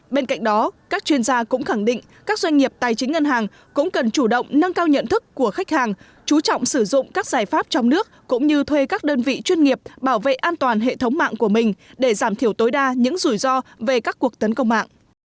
bên cạnh đó các chuyên gia cũng khẳng định các doanh nghiệp tài chính ngân hàng cũng cần chủ động nâng cao nhận thức của khách hàng chú trọng sử dụng các giải pháp trong nước cũng như thuê các đơn vị chuyên nghiệp bảo vệ an toàn hệ thống mạng của mình để giảm thiểu tối đa những rủi ro về các cuộc tấn công mạng